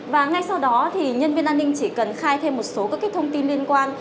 và ngay sau đó thì nhân viên an ninh chỉ cần khai thêm một số các thông tin liên quan